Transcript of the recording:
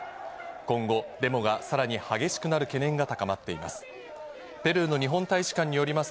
今後、デモがさらに激しくなる懸念が高まっています。